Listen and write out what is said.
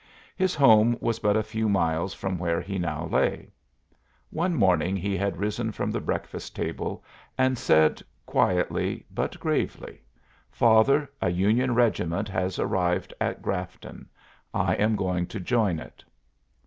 His home was but a few miles from where he now lay. One morning he had risen from the breakfast table and said, quietly but gravely: "Father, a Union regiment has arrived at Grafton. I am going to join it."